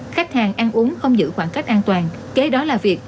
khách hàng ăn uống không giữ khoảng cách an toàn kế đó là việc